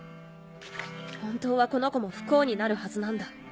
本当はこの子も不幸になるはずなんだ。